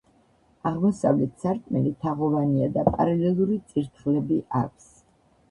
აღმოსავლეთ სარკმელი თაღოვანია და პარალელური წირთხლები აქვს.